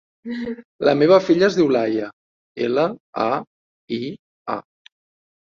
La meva filla es diu Laia: ela, a, i, a.